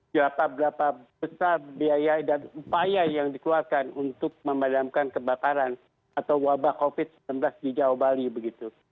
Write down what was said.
berapa berapa besar biaya dan upaya yang dikeluarkan untuk memadamkan kebakaran atau wabah covid sembilan belas di jawa bali begitu